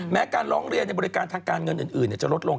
การร้องเรียนในบริการทางการเงินอื่นจะลดลง